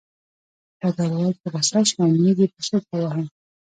ډګروال په غوسه شو او مېز یې په سوک وواهه